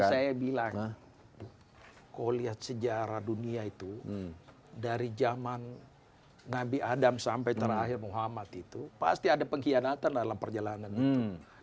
saya bilang kalau lihat sejarah dunia itu dari zaman nabi adam sampai terakhir muhammad itu pasti ada pengkhianatan dalam perjalanan itu